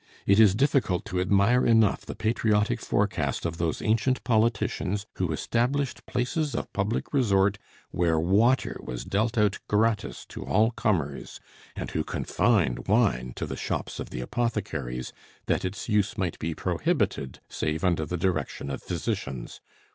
It is difficult to admire enough the patriotic forecast of those ancient politicians who established places of public resort where water was dealt out gratis to all comers, and who confined wine to the shops of the apothecaries, that its use might be prohibited save under the direction of physicians.